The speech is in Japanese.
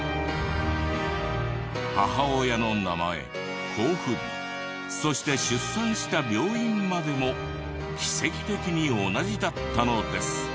母親の名前交付日そして出産した病院までも奇跡的に同じだったのです。